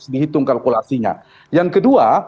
dihitung kalkulasinya yang kedua